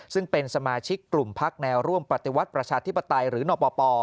ซึ่งเป็นสมาชิกกลุ่มพักแนวร่วมปฏิวัติประชาธิปไตยหรือนปป